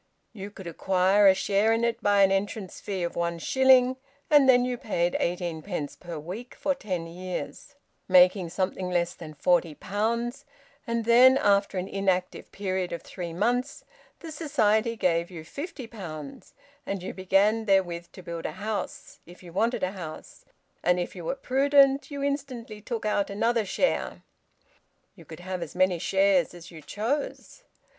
You could acquire a share in it by an entrance fee of one shilling, and then you paid eighteen pence per week for ten years, making something less than 40 pounds, and then, after an inactive period of three months, the Society gave you 50 pounds, and you began therewith to build a house, if you wanted a house, and, if you were prudent, you instantly took out another share. You could have as many shares as you chose.